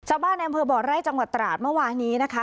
ชาวบ้านแอมเพอร์บอร์ไร่จังหวัดตราดเมื่อวานี้นะคะ